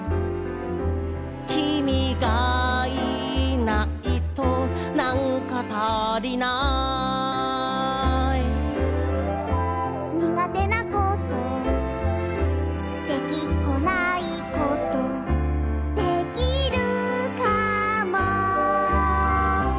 「君がいないとなんか足りない」「にがてなことできっこないことできるかも」